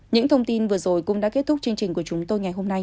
những thông tin vừa rồi cũng đã kết thúc chương trình của chúng tôi